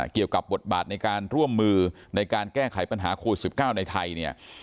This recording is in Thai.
เกี่ยวกับบทบาทในการร่วมมือในการแก้ไขปัญหาโควิด๑๙ในไทยเนี่ย